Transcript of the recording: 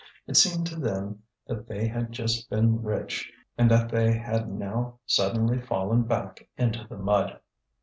It seemed to them that they had just been rich and that they had now suddenly fallen back into the mud.